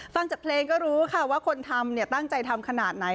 ฟังจากเพลงก็รู้ค่ะว่าคนทำตั้งใจทำขนาดไหน